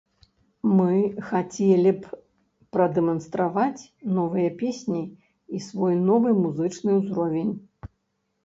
Мы хацелі б прадэманстраваць новыя песні і свой новы музычны ўзровень.